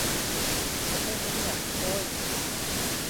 มันใช่มั๊ยเนี่ย โอ้ย